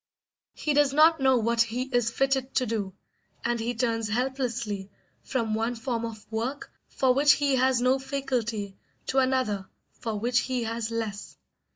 He does not know what he is fitted to do, and he turns helplessly from one form of work for which he has no faculty to another for which he has less.